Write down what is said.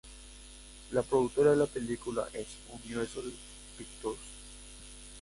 La productora de la película es Universal Pictures.